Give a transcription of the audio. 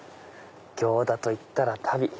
行田といったら足袋。